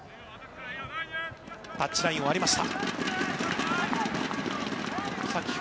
タッチラインを割りました。